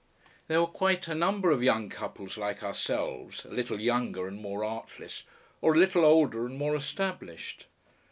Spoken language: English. There were quite a number of young couples like ourselves, a little younger and more artless, or a little older and more established.